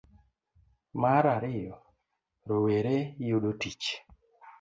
Mar ariyo, rowere yudo tich.